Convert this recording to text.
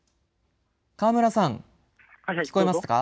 河村さん、聞こえますか。